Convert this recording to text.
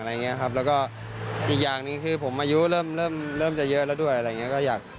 แล้วก็อีกอย่างหนึ่งคือผมอายุเริ่มจะเยอะแล้วด้วย